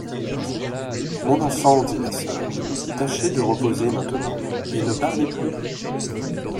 Mon enfant, dit la soeur, tâchez de reposer maintenant, et ne parlez plus.